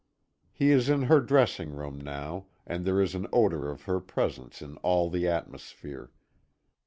He is in her dressing room now and there is an odor of her presence in all the atmosphere.